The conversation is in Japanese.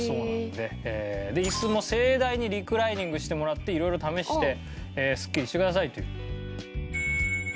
で椅子も盛大にリクライニングしてもらって色々試してスッキリしてくださいという。